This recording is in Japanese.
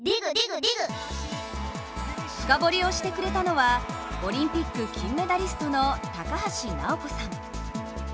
深掘りをしてくれたのはオリンピック金メダリストの高橋尚子さん。